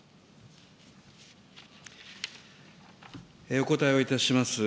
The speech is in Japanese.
お答えをいたします。